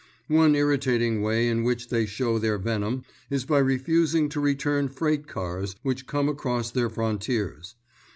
One irritating way in which they show their venom is by refusing to return freight cars which come across their frontiers.